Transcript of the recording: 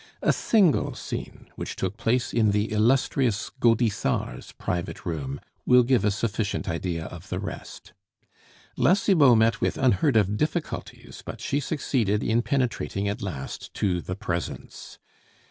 A single scene, which took place in the Illustrious Gaudissart's private room, will give a sufficient idea of the rest. La Cibot met with unheard of difficulties, but she succeeded in penetrating at last to the presence.